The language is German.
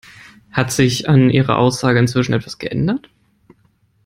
Hat sich an Ihrer Aussage inzwischen etwas geändert?